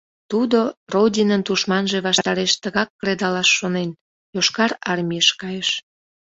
Тудо, Родинын тушманже ваштареш тыгак кредалаш шонен, Йошкар Армийыш кайыш.